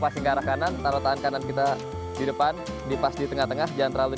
passing ke arah kanan taruh tangan kanan kita di depan dipass di tengah tengah jangan terlalu